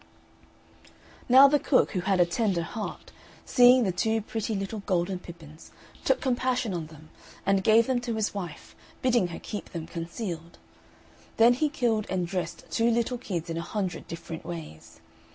Now the cook, who had a tender heart, seeing the two pretty little golden pippins, took compassion on them, and gave them to his wife, bidding her keep them concealed; then he killed and dressed two little kids in a hundred different ways.